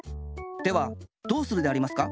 ではどうするでありますか？